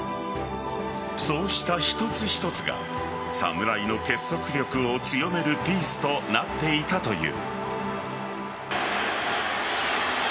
そうした一つ一つが侍の結束力を強めるピースとなっていたという。